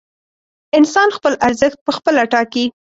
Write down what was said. انسان خپل ارزښت پخپله ټاکي.